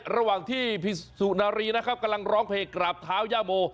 ระหว่างที่พี่สุนารีนะครับกำลังร้องเพลงกราบเท้าย่าโม